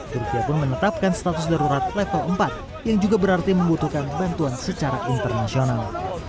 rupiah pun menetapkan status darurat level empat yang juga berarti membutuhkan bantuan secara internasional